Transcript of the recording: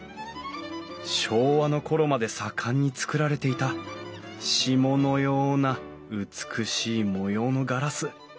昭和の頃まで盛んに作られていた霜のような美しい模様のガラス。